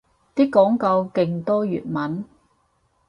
啲廣告勁多粵文